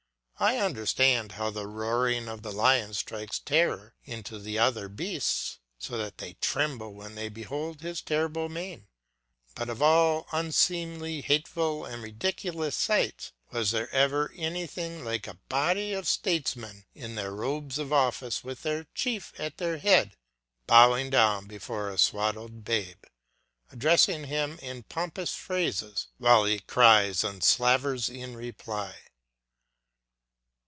I understand how the roaring of the lion strikes terror into the other beasts, so that they tremble when they behold his terrible mane, but of all unseemly, hateful, and ridiculous sights, was there ever anything like a body of statesmen in their robes of office with their chief at their head bowing down before a swaddled babe, addressing him in pompous phrases, while he cries and slavers in reply?